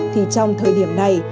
thì trong thời điểm này